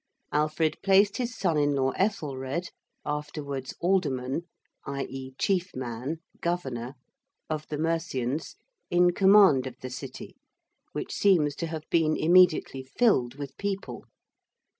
Alfred placed his son in law Ethelred, afterwards Alderman (i.e. Chief man Governor) of the Mercians, in command of the City, which seems to have been immediately filled with people.